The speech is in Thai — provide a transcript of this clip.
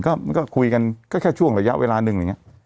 ก็คุยกันก็แค่ช่วงระยะเวลาหนึ่ง